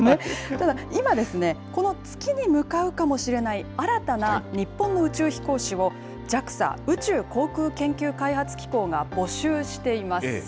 ただ、今、この月に向かうかもしれない新たな日本の宇宙飛行士をＪＡＸＡ・宇宙航空研究開発機構が募集しています。